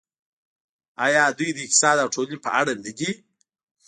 آیا دوی د اقتصاد او ټولنې په اړه نه دي؟